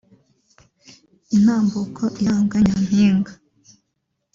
intambuko iranga Nyampinga